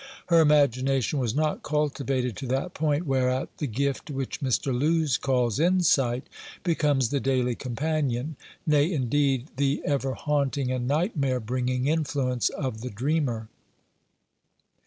Her imagination was not cultivated to that point whereat the gift which Mr. Lewes calls "insight" becomes the daily companion, nay, indeed, the ever haunting and nightmare bringing influence of the dreamer.